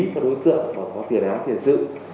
các đối tượng có tiền án tiền sự